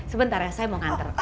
sebentar ya saya mau nganter